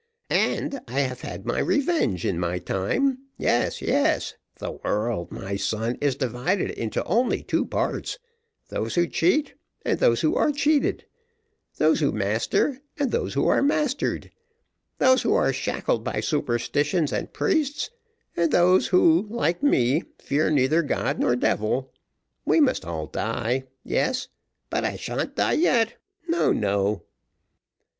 And I have had my revenge in my time yes yes the world, my son, is divided into only two parts, those who cheat, and those who are cheated those who master, and those who are mastered those who are shackled by superstitions and priests, and those who, like me, fear neither God nor devil. We must all die; yes, but I shan't die yet, no, no."